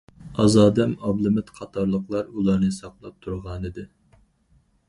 ئازادەم ئابلىمىت قاتارلىقلار ئۇلارنى ساقلاپ تۇرغانىدى.